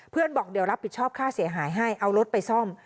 บอกเดี๋ยวรับผิดชอบค่าเสียหายให้เอารถไปซ่อม